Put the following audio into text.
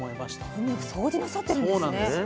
海を掃除なさってるんですね。